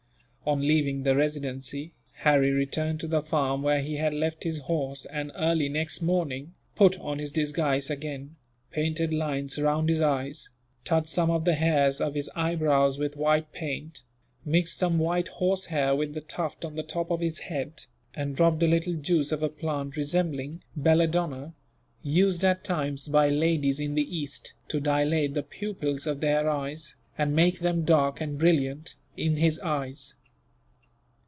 On leaving the Residency, Harry returned to the farm where he had left his horse and, early next morning, put on his disguise again, painted lines round his eyes, touched some of the hairs of his eyebrows with white paint, mixed some white horsehair with the tuft on the top of his head, and dropped a little juice of a plant resembling belladonna used at times, by ladies in the east, to dilate the pupils of their eyes and make them dark and brilliant in his eyes.